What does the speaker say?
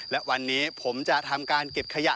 และวันนี้ผมจะทำการเก็บขยะ